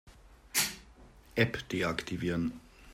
App deaktivieren.